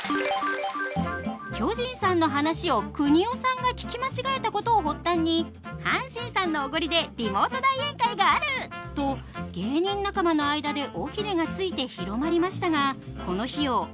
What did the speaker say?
巨人さんの話をくにおさんが聞き間違えたことを発端に阪神さんのおごりでリモート大宴会があると芸人仲間の間で尾ひれがついて広まりましたがこの費用